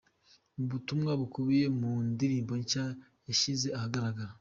Mu butumwa bukubiye mu ndirimbo nshya yashyize ahagaragara.